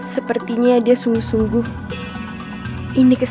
sepertinya dia sungguh sungguh menangis